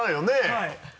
はい。